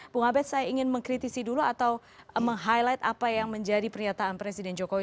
bung abed saya ingin mengkritisi dulu atau meng highlight apa yang menjadi pernyataan presiden jokowi